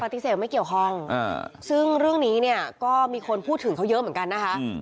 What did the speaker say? ไม่เกี่ยวข้องซึ่งเรื่องนี้เนี่ยก็มีคนพูดถึงเขาเยอะเหมือนกันนะคะ